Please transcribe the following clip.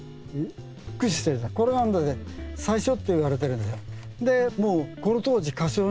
これ最初っていわれてるんだよ。